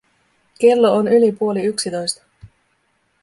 Kello on yli puoli yksitoista.